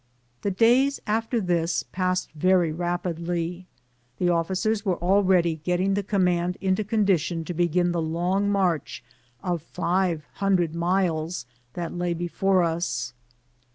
The days after this passed very rapidly. The officers were already getting the command into condition to begin the long march of ^ve hundred miles that lay be fore us.